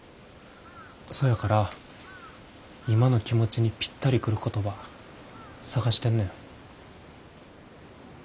そやから今の気持ちにぴったり来る言葉探してんねん。